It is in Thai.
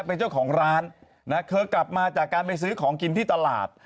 เป็นเจ้าของร้านนะเธอกลับมาจากการไปซื้อของกินที่ตลาด